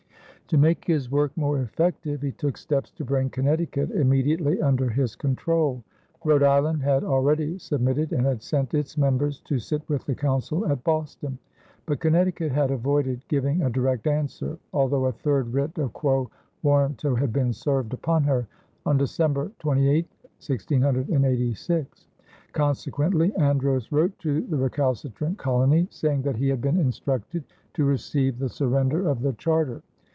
To make his work more effective he took steps to bring Connecticut immediately under his control. Rhode Island had already submitted and had sent its members to sit with the council at Boston. But Connecticut had avoided giving a direct answer, although a third writ of quo warranto had been served upon her, on December 28, 1686. Consequently Andros wrote to the recalcitrant colony, saying that he had been instructed to receive the surrender of the charter.